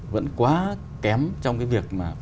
vẫn quá kém trong cái việc